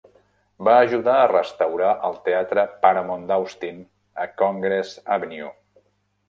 Va ajudar a restaurar el teatre Paramount d'Austin a Congress Avenue.